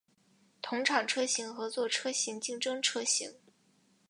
同厂车型合作车型竞争车型